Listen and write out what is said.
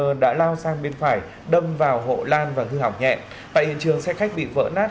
sơn đã lao sang bên phải đâm vào hộ lan và hư hỏng nhẹ tại hiện trường xe khách bị vỡ nát